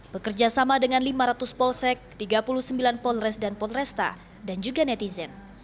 bekerja sama dengan lima ratus polsek tiga puluh sembilan polres dan polresta dan juga netizen